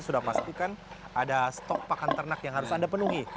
sudah pastikan ada stok pakan ternak yang harus anda penuhi